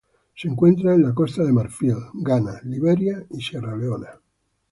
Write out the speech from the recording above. Se encuentran en Costa de Marfil, Ghana, Liberia y Sierra Leona.